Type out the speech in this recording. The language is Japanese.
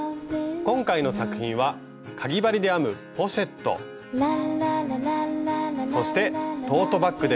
今回の作品はかぎ針で編むポシェットそしてトートバッグです。